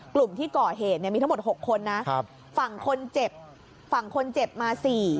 กลุ่มที่ก่อเหตุเนี่ยมีทั้งหมด๖คนนะฝั่งคนเจ็บมา๔